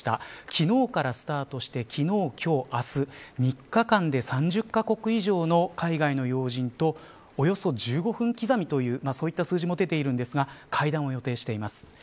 昨日からスタートして昨日、今日、明日３日間で３０か国以上の海外の要人とおよそ１５分刻みという数字も出ているんですが会談を予定しています。